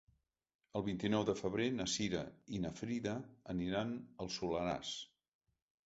El vint-i-nou de febrer na Cira i na Frida aniran al Soleràs.